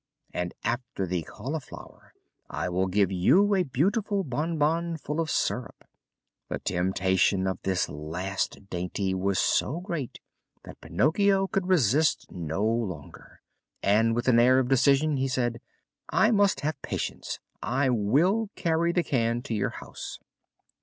"And after the cauliflower I will give you a beautiful bonbon full of syrup." The temptation of this last dainty was so great that Pinocchio could resist no longer and with an air of decision he said: "I must have patience! I will carry the can to your house."